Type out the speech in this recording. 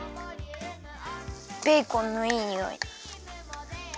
ベーコンのいいにおい。